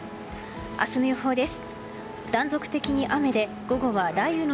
明日の予報です。